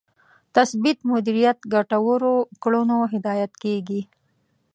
تثبیت مدیریت ګټورو کړنو هدایت کېږي.